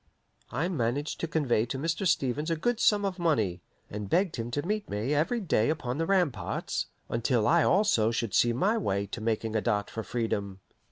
I managed to convey to Mr. Stevens a good sum of money, and begged him to meet me every day upon the ramparts, until I also should see my way to making a dart for freedom.